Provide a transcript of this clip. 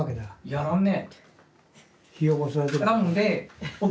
やらんね。